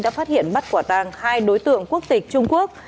đã phát hiện bắt quả tàng hai đối tượng quốc tịch trung quốc